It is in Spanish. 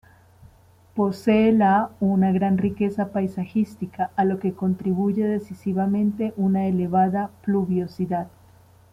Posee la una gran riqueza paisajística, a lo que contribuye decisivamente una elevada pluviosidad.